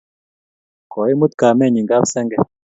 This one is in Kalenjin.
Koimut kamennyi kap senge